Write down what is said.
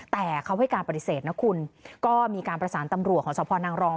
แต่เขาให้การปฏิเสธนะคุณก็มีการประสานตำรวจของสพนังรอง